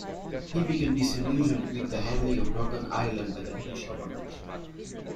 He became disillusioned with the handling of Northern Ireland by the British government.